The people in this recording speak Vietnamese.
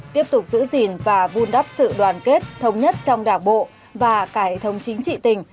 tiếp tục giữ gìn và vun đắp sự đoàn kết thống nhất trong đảng bộ và cả hệ thống chính trị tỉnh